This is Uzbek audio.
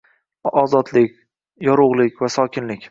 Ozodlik, yorug‘lik va sokinlik.